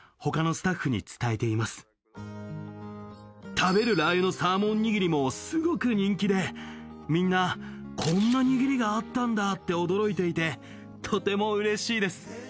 食べるラー油のサーモンにぎりもすごく人気でみんなこんなにぎりがあったんだって驚いていてとても嬉しいです